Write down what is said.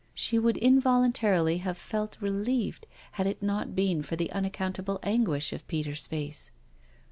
She would involuntarily have felt relieved had it not been for the unaccountable anguish of Peter's face.